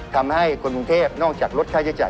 ทำให้คนกรุงเทพนอกจากลดค่าใช้จ่าย